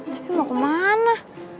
tapi mau kemana